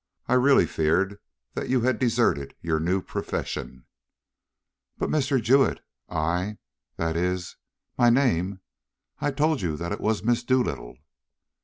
I really feared that you had deserted your new profession." "But Mr. Jewett I that is my name. I told you that it was Miss Dolittle."